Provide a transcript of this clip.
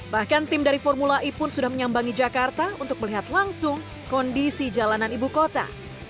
bahkan tim dari formula e pun sudah menyambangi jakarta untuk melihat langsung kondisi jalanan ibu kota